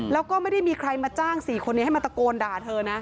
แล้วก็ไม่ได้มีใครมาจ้าง๔คนนี้ให้มาตะโกนด่าเธอนะ